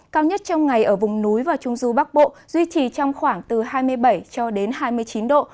cao nhất trong ngày ở vùng núi và trung du bắc bộ duy trì trong khoảng từ hai mươi bảy cho đến hai mươi chín độ